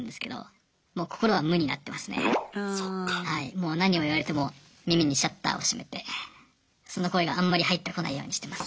もう何を言われても耳にシャッターを閉めてその声があんまり入ってこないようにしてます。